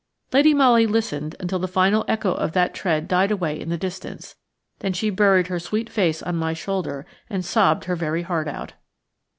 Lady Molly listened until the final echo of that tread died away in the distance; then she buried her sweet face on my shoulder and sobbed her very heart out.